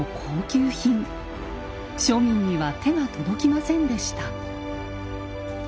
庶民には手が届きませんでした。